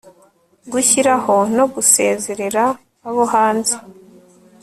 gushyiraho no gusezerera abo hanze